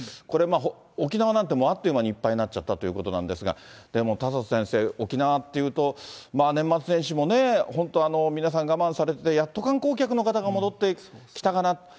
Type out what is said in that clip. これ、沖縄なんて、あっという間にいっぱいになっちゃったということなんですが、でも田里先生、沖縄っていうと、年末年始もね、本当、皆さん我慢されてて、やっと観光客の方が戻ってきたかな。